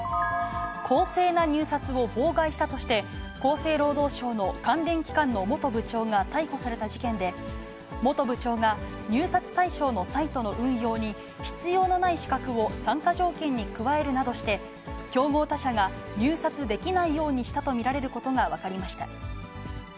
公正な入札を妨害したとして、厚生労働省の関連機関の元部長が逮捕された事件で、元部長が入札対象のサイトの運用に、必要のない資格を参加条件に加えるなどして、競合他社が入札できないようにしたと見られることが分かりました。